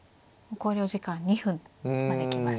考慮時間２分まで来ましたね。